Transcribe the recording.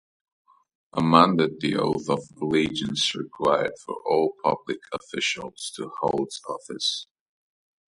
Amended the oath of allegiance required for all public officials to hold office.